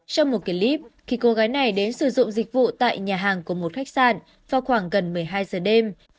trong một clip khi cô gái này đến sử dụng dịch vụ tại nhà hàng của một khách sạn vào khoảng gần một mươi hai giờ đêm